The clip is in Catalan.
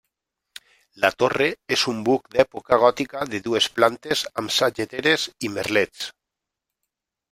La torre és un buc d'època gòtica de dues plantes amb sageteres i merlets.